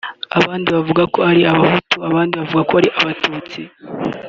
abandi bavuga ko ari Abahutu abandi bavuga ko ari Abatutsi